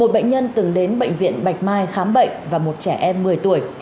một bệnh nhân từng đến bệnh viện bạch mai khám bệnh và một trẻ em một mươi tuổi